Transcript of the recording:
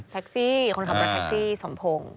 แท็กซี่คนคำว่าแท็กซี่สมพงษ์